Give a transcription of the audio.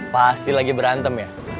pasti lagi berantem ya